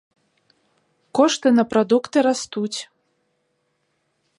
Кошты на прадукты растуць.